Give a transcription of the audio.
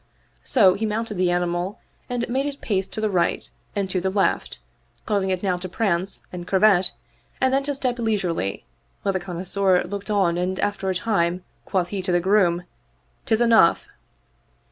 So he mounted the animal and made it pace to the right and to the left, causing it now to prance and curvet and then to step leisurely, while the connoisseur looked on and after a time quoth he to the groom, " Tis enough